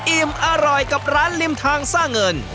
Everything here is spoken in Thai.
อิ่มอร่อยกับร้านริมทางสร้างเงิน